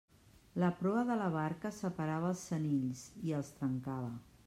La proa de la barca separava els senills i els trencava.